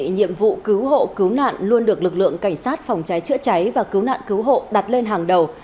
nhiệm vụ cứu hộ cứu nạn luôn được lực lượng cảnh sát phòng cháy chữa cháy và cứu nạn cứu hộ đặt lên hàng đầu